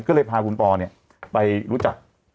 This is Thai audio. ก็เลยพาคุณปอไปรู้จัก